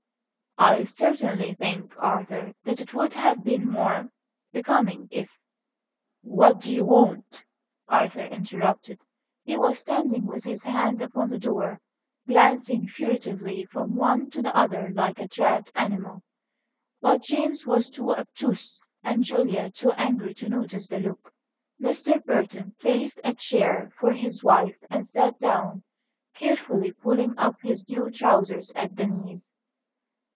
"I certainly think, Arthur, that it would have been more becoming if " "What do you want?" Arthur interrupted. He was standing with his hand upon the door, glancing furtively from one to the other like a trapped animal. But James was too obtuse and Julia too angry to notice the look. Mr. Burton placed a chair for his wife and sat down, carefully pulling up his new trousers at the knees.